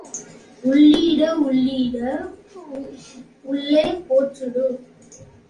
உள்ளி இட உள்ளி இட உள்ளே போச்சுது.